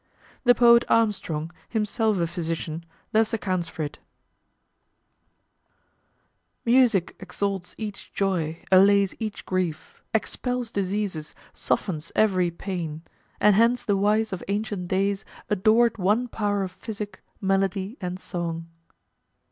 The poet Armstrong, himself a physician, thus accounts for it: "Music exalts each joy, allays each grief, Expels diseases, softens every pain; And hence the wise of ancient days adored One power of physic, melody, and song."